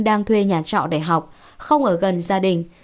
đang thuê nhà trọ để học không ở gần gia đình